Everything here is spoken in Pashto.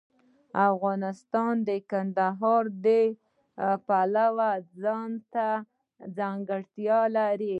افغانستان د کندهار د پلوه ځانته ځانګړتیا لري.